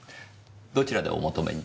どちらでお求めに？